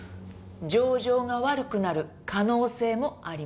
情状が悪くなる可能性もあります。